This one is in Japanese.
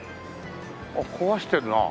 あっ壊してるな。